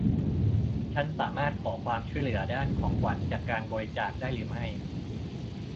ฉันสามารถขอความช่วยเหลือด้านของขวัญจากการบริจาคได้หรือไม่